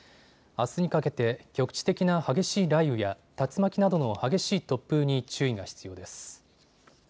あすにかけて局地的な激しい雷雨や竜巻などの激しい突風に注意が必要です。